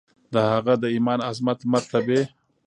د هغه د ایمان، عظمت، مرتبې